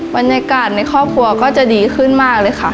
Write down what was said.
บรรยากาศในครอบครัวก็จะดีขึ้นมากเลยค่ะ